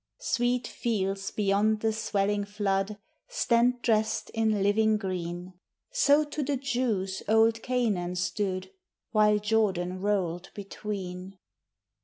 Sweet fields beyond the swelling flood Stand dressed in living green; So to the Jews old Canaan stood, While Jordan rolled between.